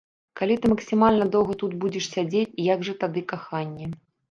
Калі ты максімальна доўга тут будзеш сядзець, як жа тады каханне?